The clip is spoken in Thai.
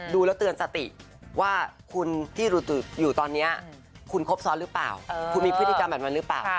ดูแล้วเตือนสติว่าคุณที่อยู่ตอนนี้คุณครบซ้อนหรือเปล่าคุณมีพฤติกรรมแบบนั้นหรือเปล่า